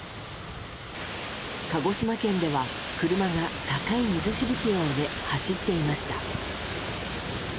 鹿児島県では車が高い水しぶきを上げ走っていました。